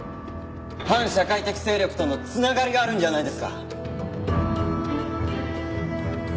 反社会的勢力との繋がりがあるんじゃないですか？